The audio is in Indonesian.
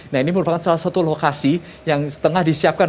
nah ini merupakan salah satu lokasi yang tengah disiapkan